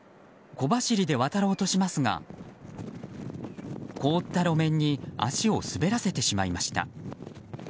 小走りで渡ろうとしますが凍った路面に足を滑らせてしまいました。